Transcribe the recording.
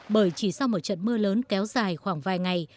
bởi chỉ sau một trận mưa lớn kéo dài khoảng vài ngày